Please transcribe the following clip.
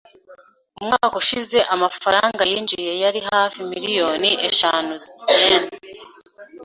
Umwaka ushize amafaranga yinjije yari hafi miliyoni eshanu yen.